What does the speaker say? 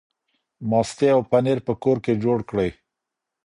ماستې او پنیر په کور کې جوړ کړئ.